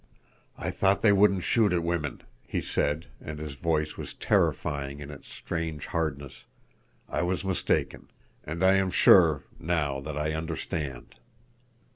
"I thought they wouldn't shoot at women," he said, and his voice was terrifying in its strange hardness. "I was mistaken. And I am sure—now—that I understand."